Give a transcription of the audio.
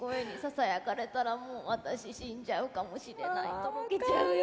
とろけちゃうよ。